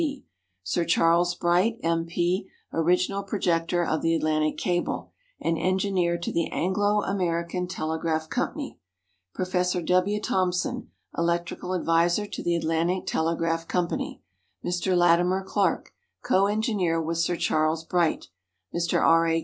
P.; Sir Charles Bright, M.P., original projector of the Atlantic cable, and Engineer to the Anglo American Telegraph Company; Prof. W. Thomson, electrical adviser to the Atlantic Telegraph Company; Mr. Latimer Clark, coengineer with Sir Charles Bright; Mr. R. A.